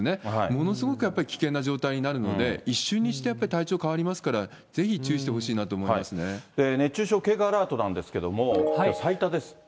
ものすごくやっぱり危険な状態になるので、一瞬にしてやっぱり体調変わりますから、ぜひ注意してほしいなと熱中症警戒アラートなんですけども、最多です。